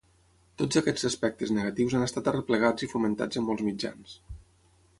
Tots aquests aspectes negatius han estat arreplegats i fomentats en molts mitjans.